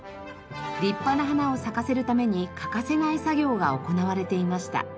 立派な花を咲かせるために欠かせない作業が行われていました。